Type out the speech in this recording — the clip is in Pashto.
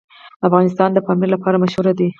افغانستان د پامیر لپاره مشهور دی.